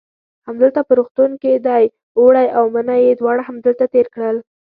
همدلته په روغتون کې دی، اوړی او منی یې دواړه همدلته تېر کړل.